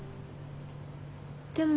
でも。